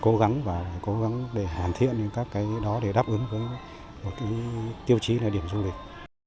cố gắng và cố gắng để hàn thiện những các cái đó để đáp ứng với tiêu chí là điểm du lịch